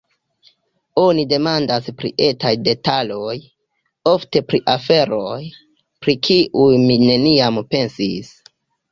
Oni demandas pri etaj detaloj, ofte pri aferoj, pri kiuj mi neniam pensis.